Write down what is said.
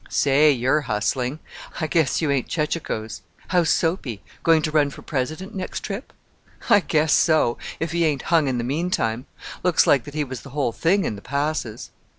"Say, you're hustling. I guess you ain't chechachoes. How's Soapy? going to run for President next trip?" "I guess so, if he ain't hung in the meantime. Looks like that he was the whole thing in the Passes."